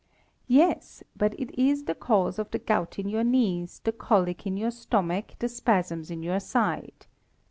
"Yes; but it is the cause of the gout in your knees, the colic in your stomach, the spasms in your side.